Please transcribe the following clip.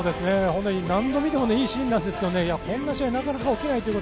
何度見てもいいシーンなんですけどこんなシーンはなかなか起きない。